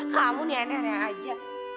kamu nih aneh aneh aja